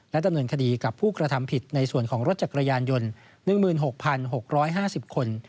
ดำเนินคดีกับผู้กระทำผิดในส่วนของรถจักรยานยนต์๑๖๖๕๐คน